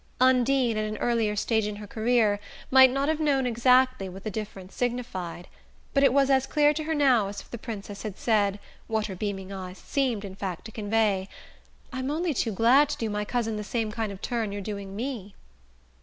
Undine, at an earlier stage in her career, might not have known exactly what the difference signified; but it was as clear to her now as if the Princess had said what her beaming eyes seemed, in fact, to convey "I'm only too glad to do my cousin the same kind of turn you're doing me."